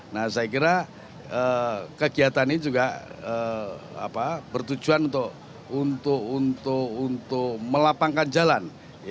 nah saya kira kegiatan ini juga bertujuan untuk melapangkan jalan